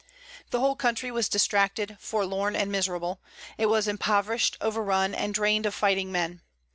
The whole country was distracted, forlorn, and miserable; it was impoverished, overrun, and drained of fighting men.